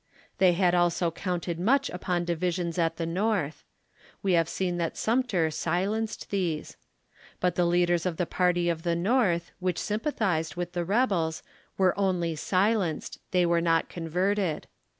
They had also counted much upon divisions at the North. We have seen that Sumter silenced these. But the lead ers of the party of the JiTorth, which sympathized with the rebels, were only silenced ; they were not converted.